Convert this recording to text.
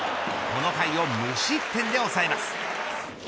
この回を無失点で抑えます。